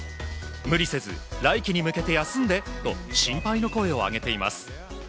無理せず来季に向けて休んでと心配の声を上げています。